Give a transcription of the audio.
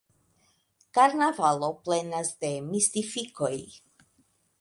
Karnavalo plenas de mistifikoj.